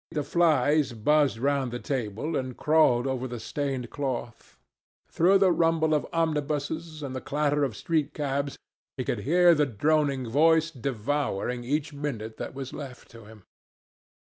The flies buzzed round the table and crawled over the stained cloth. Through the rumble of omnibuses, and the clatter of street cabs, he could hear the droning voice devouring each minute that was left to him.